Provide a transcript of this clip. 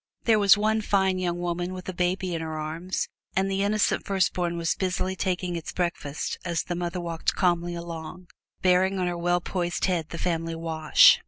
There was one fine young woman with a baby in her arms, and the innocent firstborn was busily taking its breakfast as the mother walked calmly along, bearing on her well poised head the family wash.